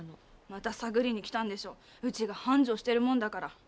また探りに来たんでしょうちが繁盛してるもんだから。